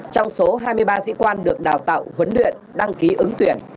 trong số hai mươi ba sĩ quan được đào tạo huấn luyện đăng ký ứng tuyển